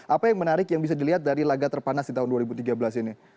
apa yang menarik yang bisa dilihat dari laga terpanas di tahun dua ribu tiga belas ini